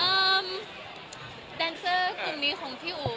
แดนเซอร์กลุ่มนี้ของพี่อู๋